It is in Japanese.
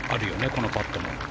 このパットも。